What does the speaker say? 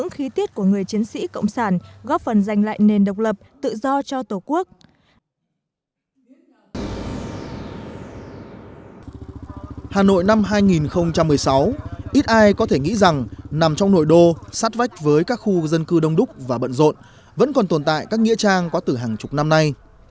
không biết ai có thể nghĩ rằng nằm trong nội đô sát vách với các khu dân cư đông đúc và bận rộn vẫn còn tồn tại các nghĩa trang có từ hàng chục năm nay